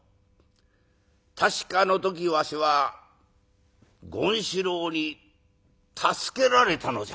確かあの時わしは権四郎に助けられたのじゃ。